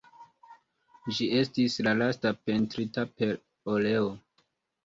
Ĝi estis la lasta pentrita per oleo.